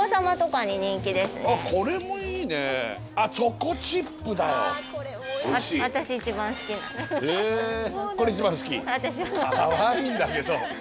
かわいいんだけど。